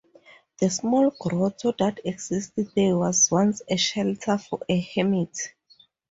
The small grotto that exists there was once a shelter for a hermit.